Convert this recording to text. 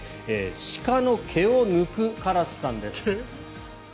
鹿の毛を抜くカラスさんです。